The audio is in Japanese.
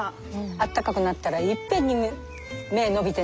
あったかくなったらいっぺんに芽伸びてね。